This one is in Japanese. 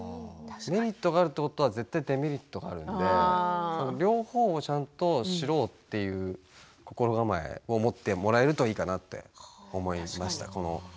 メリットがあるってことは絶対デメリットがあるので両方をちゃんと知ろうという心構えを持ってもらえるといいかなって思いました。